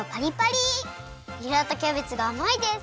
にらとキャベツがあまいです！